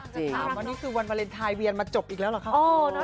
จริงค่ะแล้วนี่วันเวลาน์ไทยเวียนมาจบอีกแล้วเหรอคะ